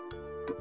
あ。